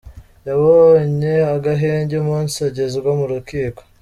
Yabonye agahenge umunsi agezwa mu rukiko.